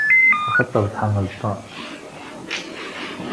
Axaṭer tḥemmleḍ-ten!